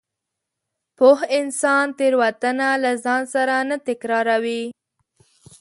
پوه انسان تېروتنه له ځان سره نه تکراروي.